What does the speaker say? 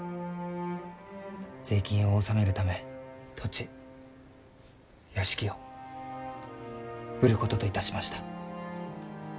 税金を納めるため土地屋敷を売ることといたしました。